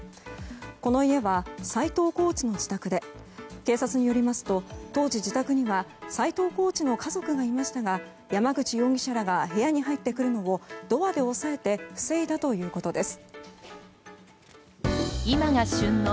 この家は斎藤コーチの自宅で警察によりますと当時、自宅には斎藤コーチの家族がいましたが山口容疑者らが部屋に入ってくるのをドアで押さえて防いだということです。